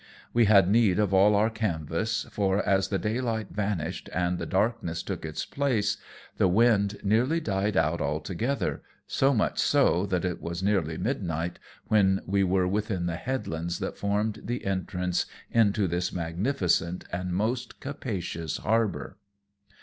"We had need of all our canvas, for, as the daylight vanished and the darkness took its place, the wind nearly died out altogether, so much so, that it was nearly midnight when we were within the headlands that formed the entrance into this magnificent and most capacious harbour.